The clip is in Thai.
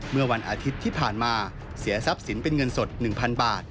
เมื่อวันอาทิตย์ที่ผ่านมาเสียทรัพย์สินเป็นเงินสด๑๐๐๐บาท